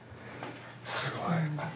すごい。